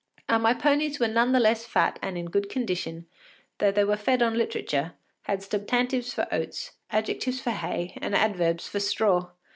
And my ponies were none the less fat and in good condition though they were fed on literature, had substantives for oats, adjectives for hay, and adverbs for straw.